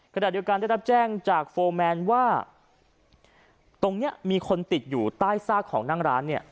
ขณะเดียวกันได้รับแจ้งจากโฟร์แมนว่าตรงนี้มีคนติดอยู่ใต้ซากของนั่งร้านเนี่ย